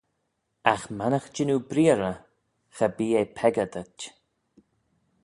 Agh mannagh jean oo breearrey, cha bee eh peccah dhyt.